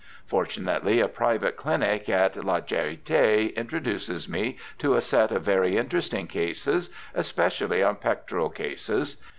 Fortunately a private clinic at La Charite introduces me to a set of very interesting cases, especially on pectoral cases.